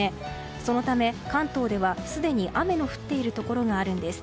そのため、関東ではすでに雨の降っているところがあるんです。